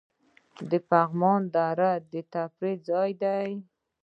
د پغمان دره د تفریح ځای دی